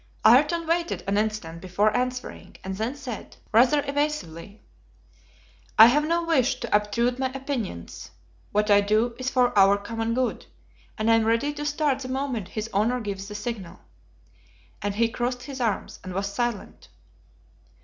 Ayrton waited an instant before answering, and then said, rather evasively: "I have no wish to obtrude my opinions. What I do is for our common good, and I am ready to start the moment his honor gives the signal." And he crossed his arms and was silent.